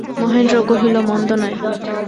মহেন্দ্র কহিল, মন্দ নয়।